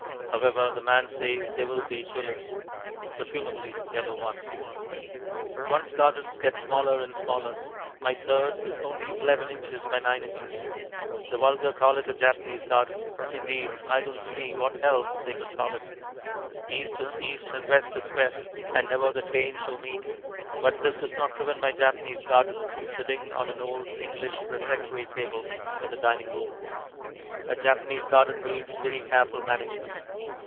However, the man says that they will be tulips. Presumably yellow ones. One's gardens get smaller and smaller. My third is only 11 ins. by 9 ins. The vulgar call it a Japanese garden indeed, I don't see what else they could call it. East is East and West is West and never the twain shall meet, but this does not prevent my Japanese garden from sitting on an old English refectory table in the dining room. A Japanese garden needs very careful management.